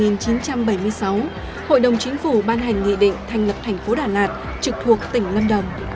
năm một nghìn chín trăm bảy mươi sáu hội đồng chính phủ ban hành nghị định thành lập thành phố đà lạt trực thuộc tỉnh lâm đồng